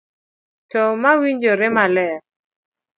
to mawinjore maler.